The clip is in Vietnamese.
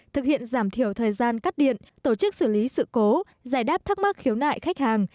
thực hiện giảm thiểu thời gian cắt điện tổ chức xử lý sự cố giải đáp thắc mắc khiếu nại khách hàng